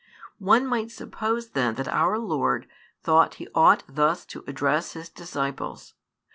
One might suppose then that our Lord thought He ought thus to address His disciples.